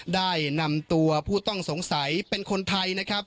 ได้นำตัวผู้ต้องสงสัยเป็นคนไทยนะครับ